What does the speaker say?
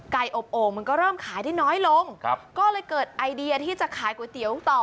อบโอ่งมันก็เริ่มขายได้น้อยลงก็เลยเกิดไอเดียที่จะขายก๋วยเตี๋ยวต่อ